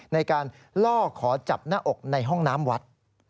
ในการล่อขอจับหน้าอกในห้องน้ำวัด